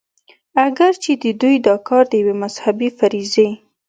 اګر چې د دوي دا کار د يوې مذهبي فريضې